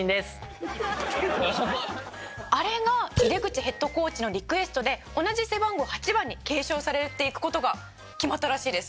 あれが井手口ヘッドコーチのリクエストで同じ背番号８番に継承されていく事が決まったらしいです。